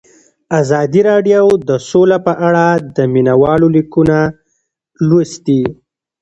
ازادي راډیو د سوله په اړه د مینه والو لیکونه لوستي.